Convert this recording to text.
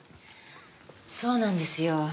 そうなんですよ